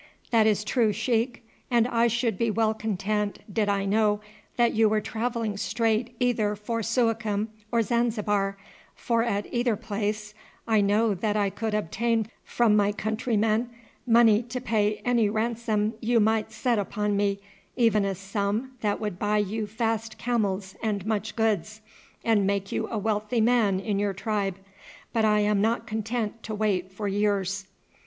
"That is true, sheik; and I should be well content did I know that you were travelling straight either for Suakim or Zanzibar, for at either place I know that I could obtain from my countrymen money to pay any ransom you might set upon me, even a sum that would buy you fast camels and much goods, and make you a wealthy man in your tribe; but I am not content to wait for years."